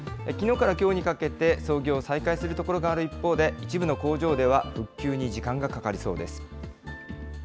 きのうからきょうにかけて、操業を再開するところがある一方で、一部の工場では、復旧に時間がかかりそうです。